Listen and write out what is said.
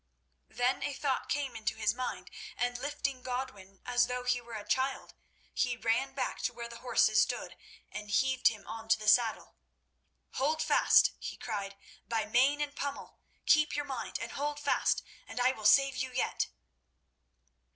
Then a thought came into his mind, and lifting Godwin as though he were a child, he ran back to where the horses stood, and heaved him onto the saddle. "Hold fast!" he cried, "by mane and pommel. Keep your mind, and hold fast, and I will save you yet."